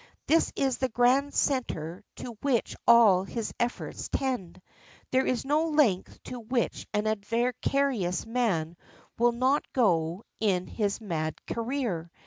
This is the grand center to which all his efforts tend. There is no length to which an avaricious man will not go in his mad career.